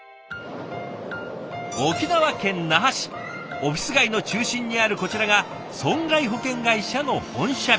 オフィス街の中心にあるこちらが損害保険会社の本社ビル。